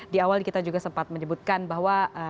di awal kita juga sempat menyebutkan bahwa